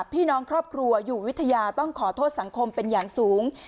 พี่น้องครอบครัวอยู่วิทยาต้องขอโทษสังคมเป็นอย่างสูง